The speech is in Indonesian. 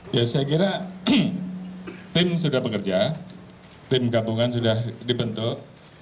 ya saya kira tim sudah bekerja tim gabungan sudah dibentuk